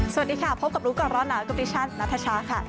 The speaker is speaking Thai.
สวัสดีค่ะพบกับรู้ก่อนร้อนหนาวกับดิฉันนัทชาค่ะ